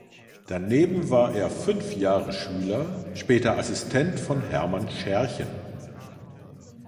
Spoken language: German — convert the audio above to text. Daneben war er fünf Jahre Schüler, später Assistent von Hermann Scherchen.